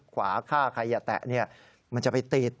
ขวาฆ่าใครอย่าแตะมันจะไปติด